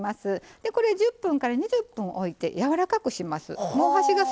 でこれ１０分から２０分おいてやわらかくします。